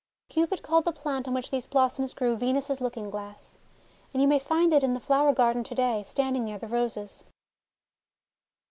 Cupid called the plant on which these blossoms grew Venus's Looking Glass; and you may find it in the flower garden to day, standing near the Roses.